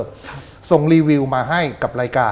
ส่งรีวิวมาให้กับรายการ